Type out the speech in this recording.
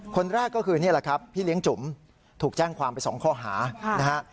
คนแรกก็คือนี่แหละครับพี่เลี้ยงจุ๋มถูกแจ้งความไป๒ข้อหานะฮะ